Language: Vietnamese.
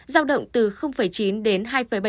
giao động từ chín đến hai bảy